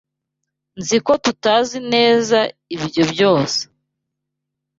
Nzi ko tutazi neza ibyo byose.